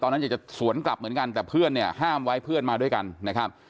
อยากจะสวนกลับเหมือนกันแต่เพื่อนเนี่ยห้ามไว้เพื่อนมาด้วยกันนะครับ